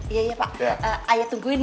iya iya pak ayah tungguin